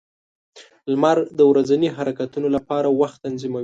• لمر د ورځني حرکتونو لپاره وخت تنظیموي.